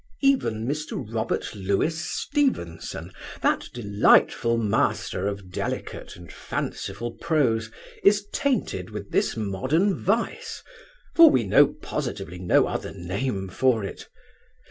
'Even Mr. Robert Louis Stevenson, that delightful master of delicate and fanciful prose, is tainted with this modern vice, for we know positively no other name for it.